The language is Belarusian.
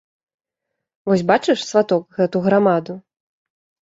Вось бачыш, сваток, гэту грамаду?